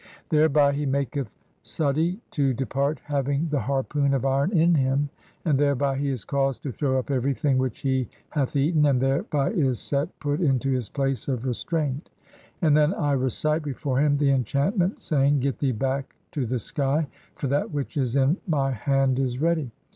"Thereby he maketh Suti to depart having the harpoon of iron "(8) in him, and thereby he is caused to throw up everything "which he hath eaten, and thereby is Set put into his place of "restraint. And then [I] recite before him the enchantment, "saying, (9) Get thee back to the sky, for that which is in my "hand is ready.